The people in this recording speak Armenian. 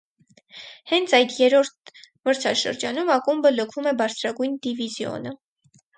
Հենց այդ երրորդ մրցաշրջանում ակումբը լքում է բարձրագույն դիվիզիոնը։